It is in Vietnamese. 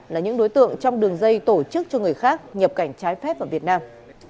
là những đối tượng trong đường dây tổ chức cho người khác nhập cảnh trái phép vào việt nam